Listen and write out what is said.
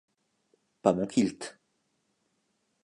Pas mon kilt.